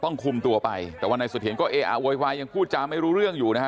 ก็ต้องคุมตัวไปแต่ว่าในสุเทียนก็เอออ่ะโวยวายยังกูจาไม่รู้เรื่องอยู่นะฮะ